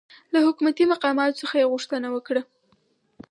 له حکومتي مقاماتو څخه یې غوښتنه وکړه